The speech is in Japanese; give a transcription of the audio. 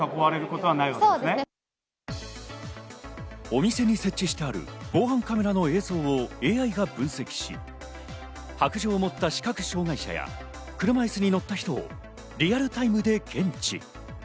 お店に設置してある防犯カメラの映像をＡＩが分析し、白杖を持った視覚障害者や、車椅子に乗った人をリアルタイムで検知。